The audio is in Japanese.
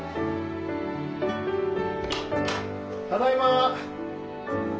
・・ただいま。